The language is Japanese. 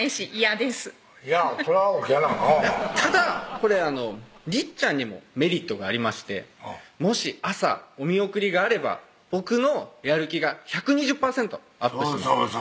これりっちゃんにもメリットがありましてもし朝お見送りがあれば僕のやる気が１２０％ＵＰします